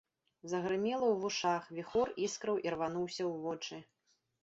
Загрымела ў вушах, віхор іскраў ірвануўся ў вочы.